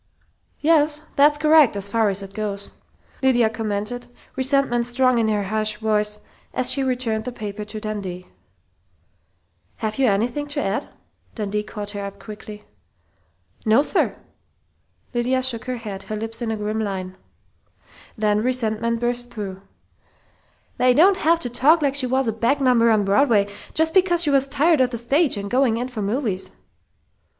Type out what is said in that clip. "Yes, that's correct, as far as it goes," Lydia commented, resentment strong in her harsh voice as she returned the paper to Dundee. "Have you anything to add?" Dundee caught her up quickly. "No, sir!" Lydia shook her head, her lips in a grim line. Then resentment burst through: "They don't have to talk like she was a back number on Broadway, just because she was tired of the stage and going in for movies!"